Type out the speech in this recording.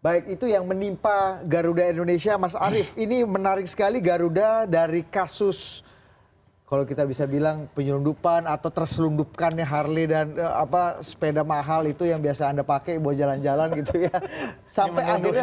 baik itu yang menimpa garuda indonesia mas arief ini menarik sekali garuda dari kasus kalau kita bisa bilang penyelundupan atau terselundupkannya harley dan sepeda mahal itu yang biasa anda pakai buat jalan jalan gitu ya